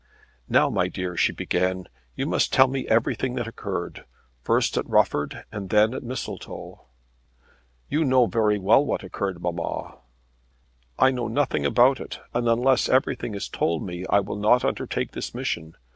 "Now, my dear," she began, "you must tell me everything that occurred first at Rufford, and then at Mistletoe." "You know very well what occurred, mamma." "I know nothing about it, and unless everything is told me I will not undertake this mission.